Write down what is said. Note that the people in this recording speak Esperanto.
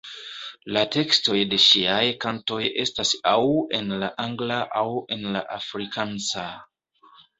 La tekstoj de ŝiaj kantoj estas aŭ en la angla aŭ en la afrikansa.